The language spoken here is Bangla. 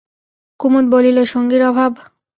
কুমুদ বলিল, সঙ্গীর অভাব?